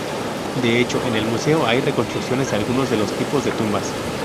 De hecho, en el museo hay reconstrucciones de algunos de los tipos de tumbas.